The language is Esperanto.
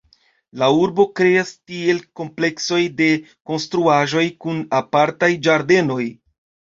La urbo kreas tiel kompleksojn de konstruaĵoj kun apartaj ĝardenoj.